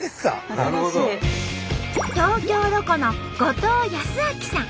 東京ロコの後藤康彰さん。